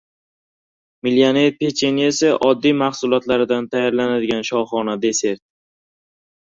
“Millioner pechenyesi”— oddiy mahsulotlardan tayyorlanadigan shohona desert